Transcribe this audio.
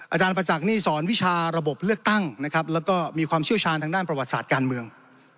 อาจารย์ประจักษ์นี่สอนวิชาระบบเลือกตั้งนะครับแล้วก็มีความเชี่ยวชาญทางด้านประวัติศาสตร์การเมือง